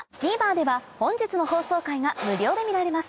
ＴＶｅｒでは本日の放送回が無料で見られます